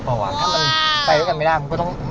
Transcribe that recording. ถ้ามันไปด้วยกันไม่ได้มันก็ต้อง